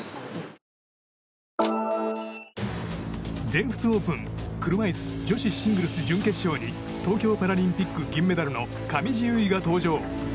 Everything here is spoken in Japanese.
全仏オープン車いす女子シングルス準決勝に東京パラリンピック銀メダルの上地結衣が登場。